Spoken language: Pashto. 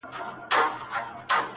زما څه ليري له ما پاته سول خواږه ملګري,